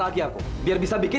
gak salah ini